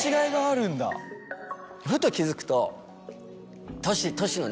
ふと気付くと。